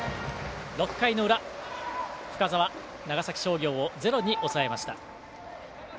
６回の裏、深沢長崎商業をゼロに抑えました。